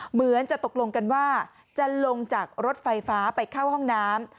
เหมือนจะตกลงกันว่าจะลงจากรถไฟฟ้าไปเข้าห้องน้ำ